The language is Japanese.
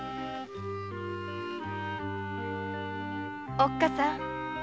おっ母さん